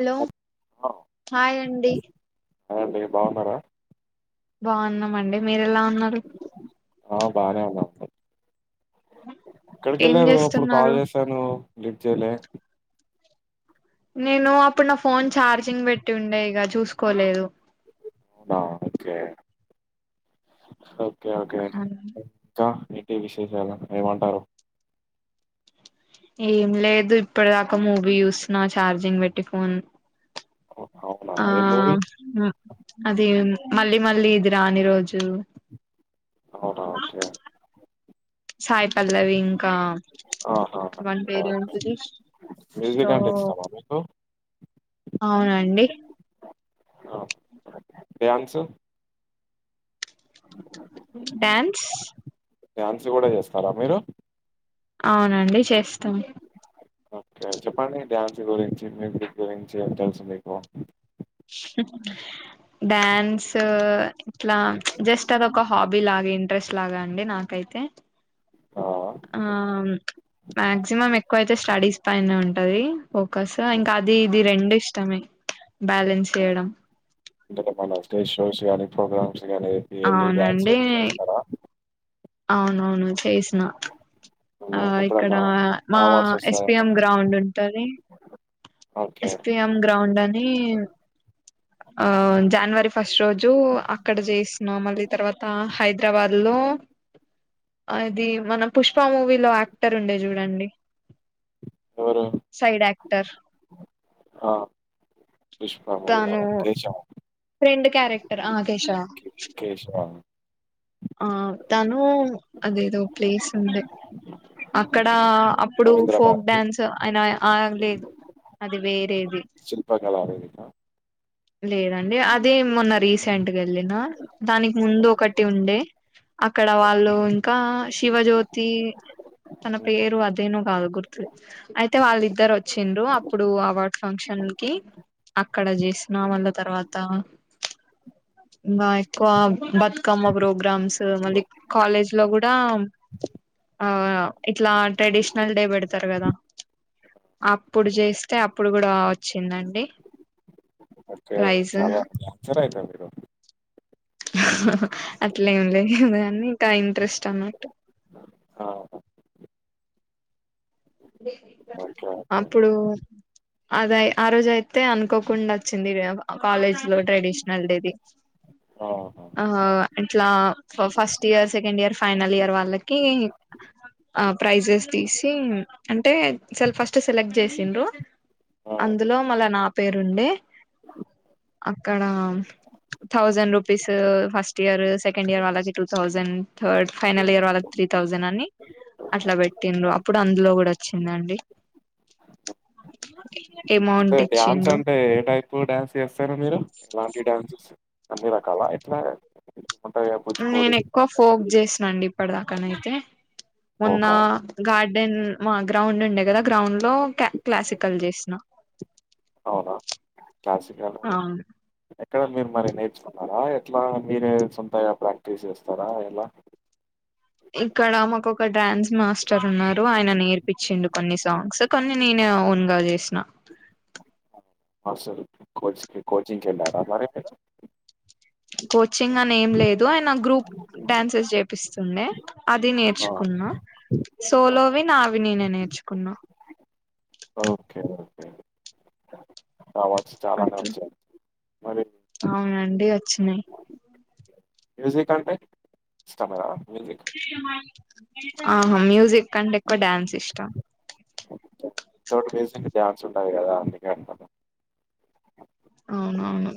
Hello! ఆ, hi అండి. Hi అండి! బాగున్నారా? బాగున్నామండి మీరెలా ఉన్నారు ఆ బానే ఉన్నా ఏక్కడికి ఏం వెళ్ళార అప్పుడు చేస్తున్నారు కాల్ చేశాను లిఫ్ట్ చేయలే నేను అప్పుడు నా ఫోన్ ఛార్జింగ్ పెట్టి ఉండే యిక చూసుకోలేదు అవునా ఓకే ఓకే ఓకే నటి విశేషాల ఏమంటారు ఏం లేదు ఇప్పటి దాకా మూవీ చూస్తున్నా ఛార్జింగ్ పెట్టి ఫోన్ అవునా ఆ ఏ మూవీ అదే మళ్ళీ మళ్ళీ ఇది రాని రోజు అవునా ఓకే సాయి పల్లవి ఇంకా ఆహా వాన్ పేరు ఓకే. ఉంటది సో మ్యూజిక్ అంటే ఇష్టమా మీకు అవునండి. ఆ, డ్యాన్స్ డ్యాన్స్ డ్యాన్స్ కూడా చేస్తారా మీరు అవునండి చేస్తాం. ఓకే చెప్పండి డ్యాన్స్ గురించి మ్యూజిక్ గురించి ఏం తెలుసు మీకు అ [inaudible] డ్యాన్స్ ఇట్లా జస్ట్ అదొక హాబీ లాగైంది. అడ్రెస్ లాగా అండి నాకైతే ఆ ఆ మక్సిమం ఎక్కువయితే స్టడీస్ పైన ఉంటది. [unintelligible] ఇంకా అది ఇది రెం ఇష్టమే బ్యాలెన్స్ చేయడం ఎప్పుడైనా [unintelligible] కానీ ప్రోగ్రామ్స్ గానే వెళ్ళి డాన్స్ అవునండి చేస్తారా అవునవును చేసిన అవునా ఆ ఇక్కడ ఎప్పుడన్నా మా అవార్డ్స్ వస్తాయా ఎస్పిఎం మనకు? గ్రౌండ్ ఉంటది. ఓకే. ఎస్పిఎం గ్రౌండ్ అని ఆ జనవరి ఫస్ట్ రోజు అక్కడ చేసినం మళ్ళీ తర్వాత హైదరాబాద్ లో ఇది మన పుష్ప మూవీలో యాక్టర్ ఉండే చూడండి. ఎవరు? సైడ్ యాక్టర్ ఆ! 'పుష్ప' మూవీలో తాను కేశవ ఫ్రెండ్ క్యారెక్టర్ ఆ కేశవ కి 'కేశవ', ఆ తనూ అదేదో ప్లేస్ ఉంది అక్కడ అప్పుడు 'రవీంద్ర ఫోక్ డ్యాన్స్ అయినా ఆ లేదు అది వేరేది శిల్ప కళా వేదిక లేదండి అదే మొన్న రీసెంట్గా వెళ్ళిన దానికి ముందు ఒకటి ఉండే అక్కడ వాళ్ళు ఇంకా శివజ్యోతి తన హ్మ్. పేరు అదేనో కాదో గుర్తు [unintelligible] అయితే వాళ్ళిద్దరు వచ్చిండ్రు ఇప్పుడు అవార్డ్ ఫంక్షన్ కి అక్కడ చేసిన మళ్ళ తర్వాత ఇంకా ఎక్కువ బతుకమ్మ ప్రోగ్రామ్స్ మళ్ళీ కాలేజ్ లో కూడా ఆ ఇట్లా ట్రెడిషనల్ డే పెడతారు కదా అప్పుడు చేస్ స్తే అప్పుడు కూడా వచ్చిందండి ఓకే. ప్రైజు చాలా డాన్సర్ అయితే మీరు. అట్లా ఏం లే [unintelligible] అన్ని ఇంట ఇంట్రెస్ట్ అన్నట్టు ఆ ఓకే. ఓకే. అప్పుడు అద ఆ రోజు అయితే అనుకోకుండా వచ్చింది కాలేజ్ లో ట్రెడిషనల్ డే ది ఆహా! ఆ ఇట్లా ఫ first year second year final year వాళ్ళకి ఆ ప్రైజెస్ తీసి అంటే సెల్ ఫస్ట్ సెలెక్ట్ చేసిండ్రు ఆ! అందులో మళ్ళ నా పేరుండే అక్కడ థౌజండ్ రూ ఆపీసు ఫస్ట్ ఇయర్ సెకండ్ ఇయర్ వాళ్ళకి two thousand third final year వాళ్ళకి త్రీ థౌజండ్ అని అట్లా పెట్టిండ్రు అప్పుడు అందులో కూడా వచ్చిందండి టే అమౌంట్ డ్యాన్స్ ఇచ్చిండ్రు అంటే ఏ టైప్ డ్యాన్స్ చేస్తారు మీరు ఎలాంటి డ్యాన్సెస్ అన్నీ రకాల ఎట్లా ఉంటాయా కూచిపూడి, నేను ఎక్కువ ఫోక్ కథకళి, చేసినండి పడదాకన అయితే మొన్న మోకా గార్డ్ [unintelligible] మా గ్రౌండ్ ఉండే కదా గ్రౌండ్ లో క్ల క్లాసికల్ చేసిన అవునా క్లాసికలు ఆ ఎక్కడ మీరు మరి నేర్చుకున్ న్నారా ఎట్లా మీరే సొంతగ ప్రాక్టీస్ చేస్తారా ఎలా ఇక్కడ మాకు ఒక డాన్స్ మాస్టర్ ఉన్నారు ఆయన నేర్పించిండు కొన్ని సాంగ్స్ కొన్ని నేనే ఓన్ గా చేసిన మాస్టరు కోచింగ్ కోచింగ్ కి వెళ్ళారా మరి ఎక్కడ కోచ్ చ్చింగ్ అనేం లేదు ఆయన గ్రూప్ డ్యాన్సెస్ చెప్ పిస్తుండే అది ఆ! నేర్చుకున్నా ఆహా! సోలోవి నావి నేనే నేర్చుకున్నా ఓకే. ఓకే. అవార్డ్స్ చాలానే అట్లా వచ్చాయి మరి అవునండి వచ్చినయి మ్యూజిక్ అంటే ఇష్టమా మ ఆహా మ్యూజిక్ కంటే ఎక్కువ డ్యాన్స్ ఇష్టం వితౌట్ బేసిక్ డాన్స్ ఉంటది కదా అందుకే అంటన్నా అవునవును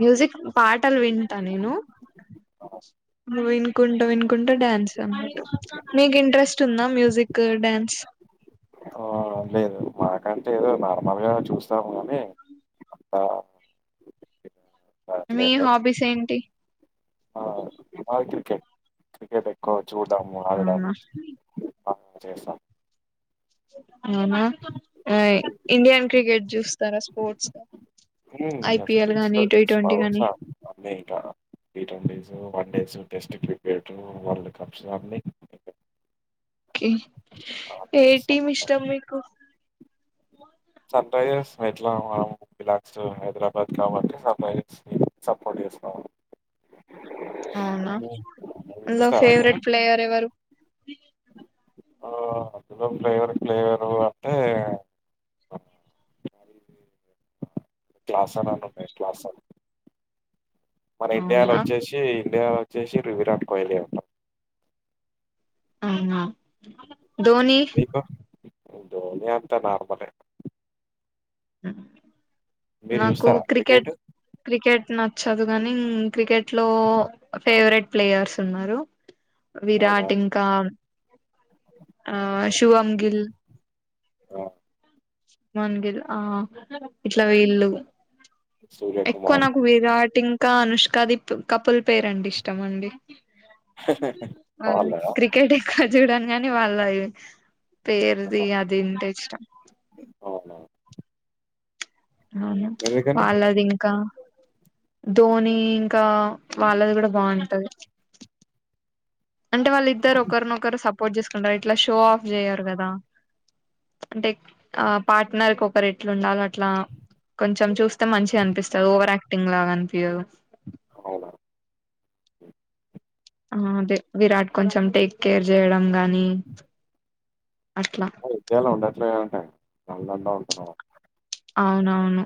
మ్యూజిక్ పాటలు వింటా నేను వినుకుంటు వినుకుంటు డ్యాన్స్ అనమాట మీకు ఇంట్రెస్ట్ ఉందా మ్యూజిక్ డ్యాన్స్ కంటే ఏదో నార్మల్ గా చూస్తాము కానీ మీ అట్లేం లేదు. హాబీస్ ఏంటి బాల్ క్రికెట్ క్రికెట్ ఎక్కువ చూడ్డాము ఆడడము అవునా అవును చేసా అవునా ఏయ్ ఇండియన్ క్రికెట్ చూస్తారా స్పోర్ట్స్ [unintelligible] ఐపిఎల్ స్పోర్ట్స్ గానీ ఆ టీ ట్వంటీ స్పోర్ట్స్ గానీ అన్నీ ఇక T twenty one days test cricket world cups అన్ని కే ఏ టీం ఇష్టం మీకు సన్ రైజర్స్ ఎట్లా మనం బిలాన్గ్స్ టూ హైదరాబాద్ కాబట్టి సన్ రైజర్స్ కి సపోర్ట్ చేస్తాం అవునా అవి లో చూస్తారా మీరు ఫేవరెట్ ప్లేయర్ ఎవరు ఆ అందులో ఫేవరెట్ ప్లేయర్ అంటే క్లాసన్ అనుండె క్లాసన్ మన ఇండియాలో అవునా వచ్చేసి ఇండియాలో వచ్చేసి [unintelligible] విరాట్ కోహ్లీ అంటా అవునా ధోని మీకు ధోని అంతా నార్మలే [unintelligible] మీరు నాకు చూస్తారా క్రికెట్ క్రికెట్ నా చ్చదుగాని క్రికెట్ లో ఫేవరెట్ ప్లేయర్స్ ఉన్నారు అవునా విరాట్ ఇంకా అ ఆ శుభమ్ గిల్ ఆ, మన్ గిల్ ఆ ఇట్లా వీళ్ళు ఎక్కువ సూర్యకుమార్ నాకు విరాట్ ఇం కా అనుష్క ది కపుల్ పేరంటే ఇష్టం అండి అ వాళ్ళ క్రికెట్ ఎక్కవ చూడను అని వాళ్ళయి పేరుది అదింటె ఇష్టం అవునా అవునా ఎందుకని వాళ్ళది, ఇంకా ధోని ఇంకా ప్చ్ వాళ్ళది, కూడా బాగుంటది. అంటే వాళ్ళు ఇద్దరు, ఒకరినొకరు సబ్ పొజస్ అంటే ఇట్లా షో ఆఫ్ జెయ్యారు. కదా అంటే ఆ పార్ట్నర్ కు ఒకరు ఎట్లుండాలో, అట్లా కొంచం చూస్తే మంచి అనిపిస్తంది. ఓవర్ యాక్టింగ్ లాగా అనిపియదు. అవునా హ్మ్ ఆ అదే విరాట్ కొంచెం టేక్ కేర్ చేయడం. గానీ ప్చ్ అయితే అలా ఉండట్లేదన్ టే నందంతా ఉంటున్నావుగా అవునవును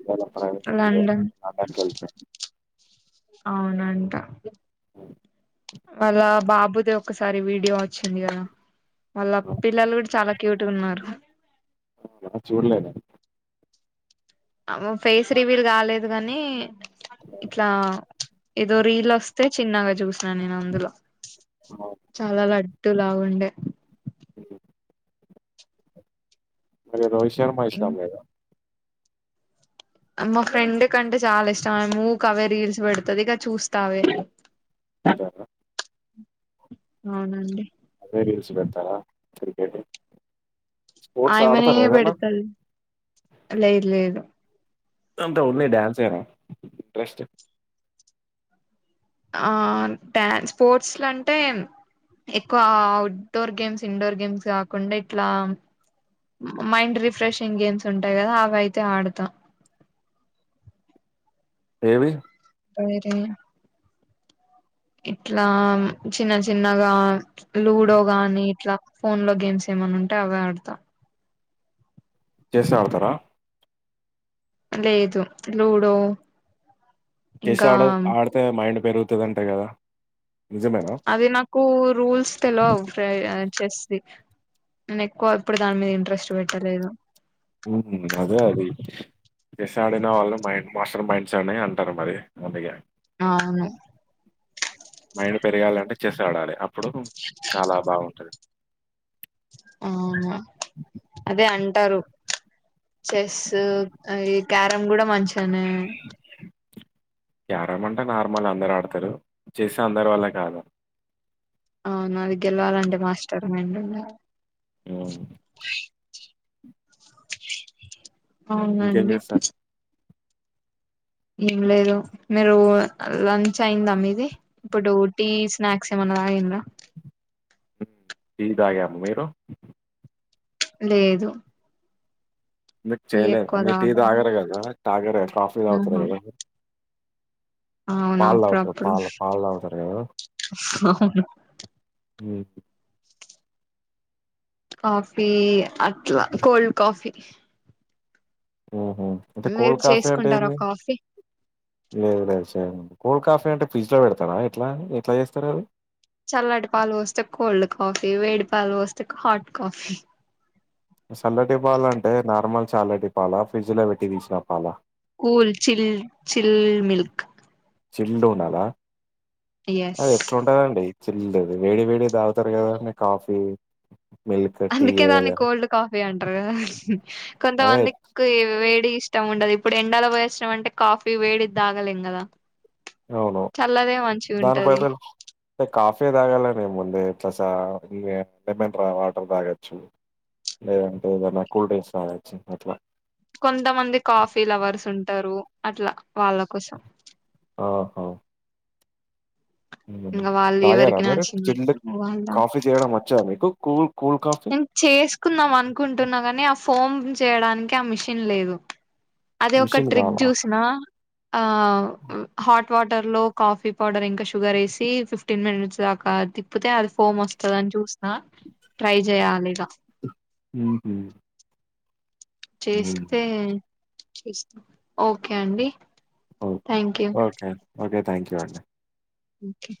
ఇవాళ పనికెళ్ళె ఉంది. పడ్డం కెళ్ళిన ప్చ్ ప్చ్ అవునంటా ప్చ్ ఆ వాళ్ళ బాబ్ బుదే ఒకసారి వీడియో వచ్చింది. కదా వాళ్ళ హ్మ్. పిల్లలు కూడా చాలా క్యూట్ గున్నారు. అవునా చూడలేదని. ఆమె ఫేస్ రివ్యూల్ కాలేదుగా, అనీ ప్చ్ ప్చ్ ఇట్లా ప్చ్ ఏదో రీర్లు వస్తే చిన్నగా చూసినాను, నేను అందులో హ్మ్. చాలా లడ్డు లాగుండే హ్మ్. మరే రోహిష్ శర్మా ఇష్టం లేదా ఆమ్ మా ఫ్రెండ్ కంటే చాలా ఇష్టం. ఆ మూక్ అవ్వే రీల్స్ పెడుతది. ఇక చూస్తావే ఉంటారా అవునండి. రీల్స్ పెడతావా ప్చ్ క్రికెటు ప్చ్ ఆయమ్మనే వెడుతాది. ప్చ్ లేద్ లేదు అంత ఉన్నాయి. డ్యాన్స్ వేనా ఇంట్రెస్ట్ ఆ న్ డ్యాన్స్ స్పోర్ట్స్ లో, అంటేమ్ ఎక్కువ అఔట్డోర్ గేమ్స్, ఇండోర్ గేమ్స్, కాకుండా ఇట్లామ్ మైండ్ రిఫ్రెషింగ్ గేమ్స్ ఉంటాయి. కదా అవి అయితే ఆడతా ఏవి ఏవి అయితేనేం ఇట్లామ్ చిన్న చిన్నగా ప్చ్ లూడో గాని, ఇట్లా ఫోన్ లో గేమ్స్ ఏమైనా ఉంటే అవే ఆడుతా చెస్ ఆడతారా మ్మ్ లేదు లూడో చెస్ ఇంకా ఆడే ఆడతే మైండ్ పెరుగుతదంటా కదా. నిజమేనా. కూట్ రూల్స్ తెలవ్వవు. ప్రయర్ చెస్ వీక్, నేను ఎక్కువ ఏప్పుడు దాని మీద ఇంట్రెస్ట్ పెట్టలేదు. అదే అది చెస్ ఆడిన వాళ్ళు మైండ్ మాస్టర్ మైండ్స్ అని అంటారు. మరి అందుకే అవును మైండ్ పెరగాలి అంటే, చెస్ ఆడాలి. అప్పుడు చాలా బాగుంటది ఆహ అదే అన్ టారు చెస్ అది క్యారం కూడా మంచేనే క్యారెమ్ అంటే నార్మల్ అందరూ ఆడతారు. చెస్ అందరు వల్ల కాదు. అవును అది గెలువాలంటే మాస్టర్ మైండ్ ఉండాలి. హ్మ్. ఇంకేం అవునండి. చేస్తారు? ఏం లేదు, మీరు లంచ్ అయిందా మీది ఇప్పుడు టీ స్నాక్స్ ఏమన్నా తగింర్రా. టీ తాగాము మీరు. లేదు. మీరు టీ ఎక్కువ చేయలేదు మీరు టీ తాగం తాగరుకదా తాగరుగా కాఫీ తాగుతారు ఆహా కదా. అవును పాల్ తాగుతారు అప్పుడప్పుడు పాల్ పాలు తాగుతారు కదా ఉహు ఉహు కాఫీ అట్లా కోల్డ్ కాఫీ ఉ హు అంటే మీరు కోల్డ్ కాఫీ అంటే చేసుకుంటారా ఏంది కాఫీ లేదు లేదు సరేండి కోల్డ్ కాఫీ అంటే ఫ్రిజ్లో పెడతారా ఎట్లా ఎట్లా చేస్తారు అది చల్లటి పాలు వోస్తే కోల్డ్ కాఫీ వేడి పాలు వోస్తే హాట్ కాఫీ సల్లటి పాలు అంటే నార్మల్ చల్లటి పాలా ఫ్రిడ్జ్ లో పెట్టి తీసిన పాల cool chill. Chill milk. Chilled ఉండాలా. ఎస్ అది ఎట్లా ఉంటదండి. చిల్డ్ వేడి వేడి తాగుతారు కదా అండీ కాఫీ. మిల్క్, టీ అందుకే దాన్ని ఏదైనా. కోల్డ్ కాఫీ అంటారు గాద అదే కొంతమందికి వేడ్ డి ఇష్టం ఉండదు. ఇప్పుడు ఎండలో పోయివచ్చినం అంటే కాఫీ వేడిది తాగలేం గదా. అవును దానిపైసలు కాఫీ. కాఫే తాగాలనే ఏముందే. ఇట్ల చా లెమన్ రా వాటర్ తాగఅచ్చు, లేదంటే ఏదైనా కూల్ డ్రింక్స్ తాగఅచ్చు. అట్లా కొంతమంది కాఫీ లవర్స్ ఉంటారు అట్లా వాళ్ళ కోసం ఓహో హు ఇంకా వాళ్ళు తాగారా ఎవరికి మీరు చిల్డ్ నచ్చినట్టు కాఫీ చేయడం వచ్చా మీకు కోల్ నేన్ చేసుకుందాం అనుకుంటున్నా కాని ఆ ఫోమ్ చేయడానికి ఆ మిషన్ లేదు అదే ఒక మిషన్ ట్రిక్ కావాలా చూసిన ఆ హాట్ హాట్ వాటర్ లో కాఫీ పౌడర్ ఇంకా షుగర్ ఏసి ఫిఫ్టీన్ మినిట్స్ దాకా తిప్పుతే అది ఫోమ్ వస్తదని అని చూసినా అ ట్రై చేయాలిగా ఉమ్ చేస్తే చేస్తా ఓకే అండి. ఓకే థ్యాంక్ యూ ఓకే ఆన్ ఓకే థ్యాంక్ యూ అండి. ఓకే